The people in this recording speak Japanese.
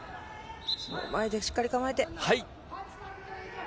そう、前で、しっかり構えて。